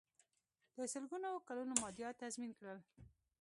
د سلګونو کلونو مادیات تضمین کړل.